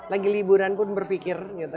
lagi liburan pun berpikir